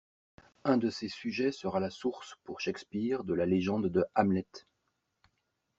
Un de ces sujets sera la source pour Shakespeare de la légende de Hamlet.